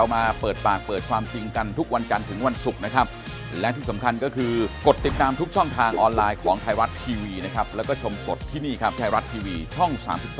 ไม่ได้มีติดต่อมาไม่ได้เจอกัน